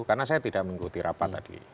karena saya tidak mengikuti rapat tadi